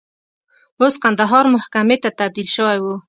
اوس کندهار محکمې ته تبدیل شوی و.